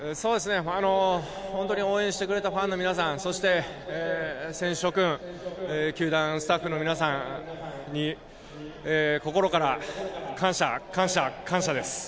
応援してくれたファンの皆さん、選手諸君、球団スタッフの皆さんに、心から感謝、感謝、感謝です。